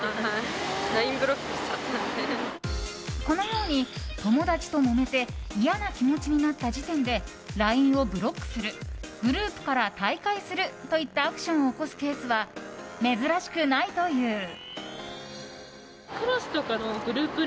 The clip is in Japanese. このように、友達ともめて嫌な気持ちになった時点でＬＩＮＥをブロックするグループから退会するといったアクションを起こすケースは珍しくないという。